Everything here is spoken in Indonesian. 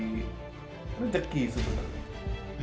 berapa kali rezeki sebenarnya